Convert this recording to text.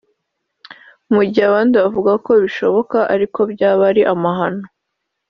Mu gihe abandi bavugaga ko bishoboka ariko ko byaba ari amahano